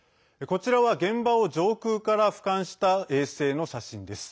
こちらは現場を上空からふかんした衛星の写真です。